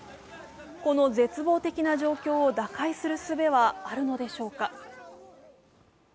この絶望的な状況を打開するすべはあるのでしょうか。